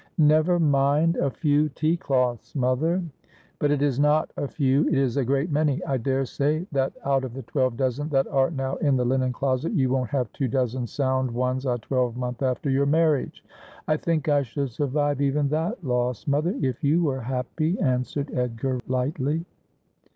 ' Never mind a few tea cloths, mother.' ' But it is not a few, it is a great many. I daresay that out of the twelve dozen that are now in the linen closet you won't have two dozen sound ones a twelvemonth after your marriage.' ' I think I should survive even that loss, mother, if you were happy,' answered Edgar lightly.